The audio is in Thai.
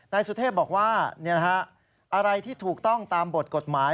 นายสุเทพบอกว่าอะไรที่ถูกต้องตามกฎหมาย